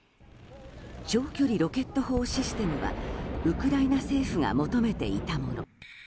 長距離ロケット砲システムはウクライナ政府が求めていたもの。